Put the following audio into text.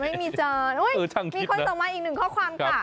ไม่มีจานโอ้ยมีคนต่อมาอีกหนึ่งข้อความค่ะ